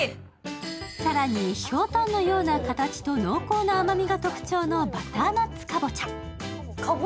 更にひょうたんのような形と濃厚な甘みが特徴のバターナッツかぼちゃ。